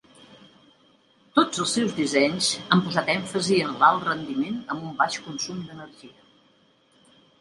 Tots els seus dissenys han posat èmfasi en l'alt rendiment amb un baix consum d'energia.